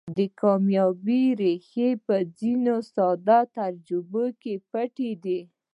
د کاميابۍ ريښې په ځينو ساده تجربو کې پټې دي.